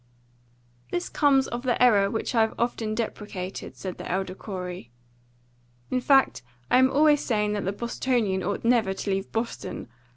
"This comes of the error which I have often deprecated," said the elder Corey. "In fact I am always saying that the Bostonian ought never to leave Boston.